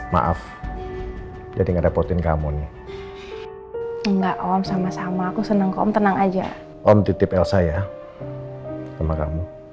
maaf jadi ngerepotin kamu nih enggak om sama sama aku seneng om tenang aja om titip l saya sama kamu